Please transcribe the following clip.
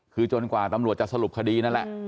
คือจนกว่าตำรวจจะสรุปคดีนั่นแหละ